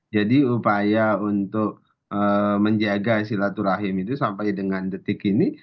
jadi upaya untuk menjaga silaturahim itu sampai dengan detik ini